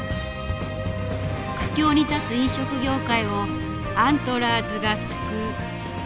苦境に立つ飲食業界をアントラーズが救う。